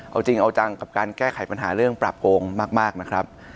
เอาจริงเอาจังกับการแก้ไขปัญหาเรื่องปราบโกงมากนะครับ